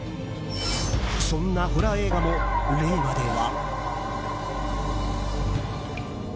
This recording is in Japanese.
そんなホラー映画も令和では。